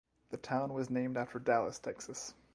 The town was named after Dallas, Texas.